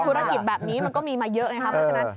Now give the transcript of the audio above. ธุรกิจแบบนี้มันก็มีมาเยอะไงครับเพราะฉะนั้น